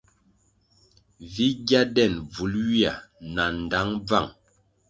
Vi gya den bvul ywia na ndtang bvang,